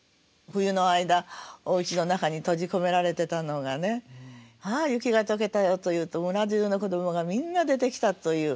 冬の間おうちの中に閉じ込められてたのがねああ雪が解けたよというと村じゅうの子どもがみんな出てきたという。